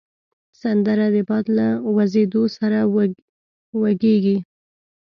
سندره د باد له وزېدو سره وږیږي